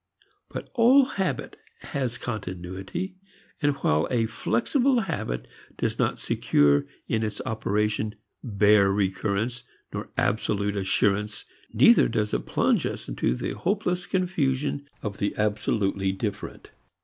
But all habit has continuity, and while a flexible habit does not secure in its operation bare recurrence nor absolute assurance neither does it plunge us into the hopeless confusion of the absolutely different.